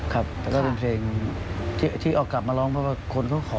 ครับแล้วก็เป็นเพลงที่เอากลับมาร้องเพราะว่าคนเขาขอ